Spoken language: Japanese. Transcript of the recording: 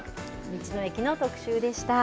道の駅の特集でした。